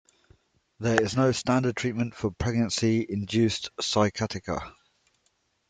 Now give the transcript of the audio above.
There is no standard treatment for pregnancy-induced sciatica.